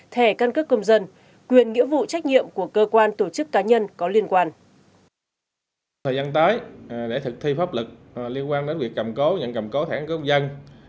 thẻ căn cước công dân quyền nghĩa vụ trách nhiệm của cơ quan tổ chức cá nhân có liên quan